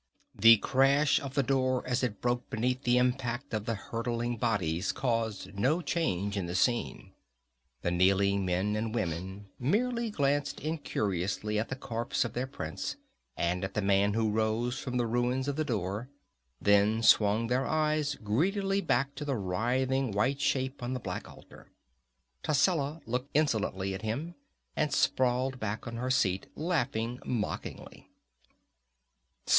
The crash of the door as it broke beneath the impact of the hurtling bodies caused no change in the scene. The kneeling men and women merely glanced incuriously at the corpse of their prince and at the man who rose from the ruins of the door, then swung their eyes greedily back to the writhing white shape on the black altar. Tascela looked insolently at him, and sprawled back on her seat, laughing mockingly.